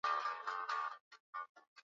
Hukwambata Mikononi Dua atasikia